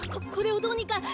ここれをどうにか。